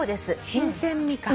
新鮮味か。